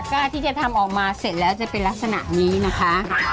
ก็ที่จะทำออกมาเสร็จแล้วจะเป็นลักษณะนี้นะคะ